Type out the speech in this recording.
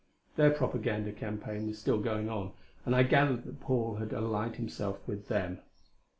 Their propaganda campaign was still going on, and I gathered that Paul had allied himself with them.